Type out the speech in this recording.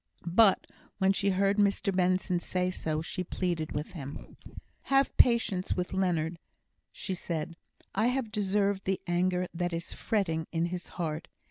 But, when she heard Mr Benson say so, she pleaded with him. "Have patience with Leonard," she said. "I have deserved the anger that is fretting in his heart.